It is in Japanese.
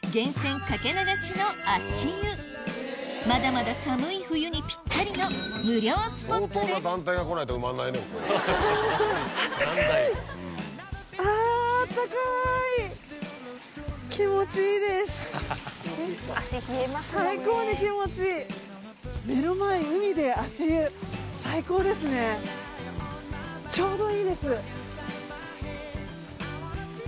まだまだ寒い冬にぴったりのちょうどいいです。